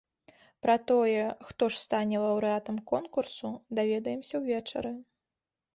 Пра тое, хто ж стане лаўрэатам конкурсу, даведаемся ўвечары.